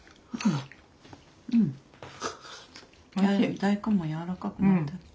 大根も柔らかくなってる。